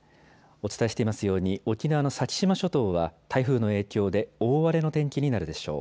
お伝えしていますように沖縄の先島諸島は台風の影響で大荒れの天気になるでしょう。